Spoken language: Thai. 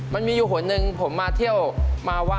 มันมีโยหทนึงผมมาเที่ยว